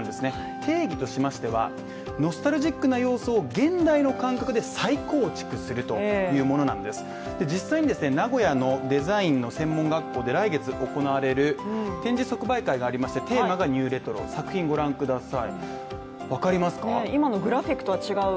定義としましては、ノスタルジックな様相現代の感覚で再構築するというものなんです実際にですね名古屋のデザイン専門学校で来月行われる展示即売会がありましたテーマがニューレトロです作品ご覧ください。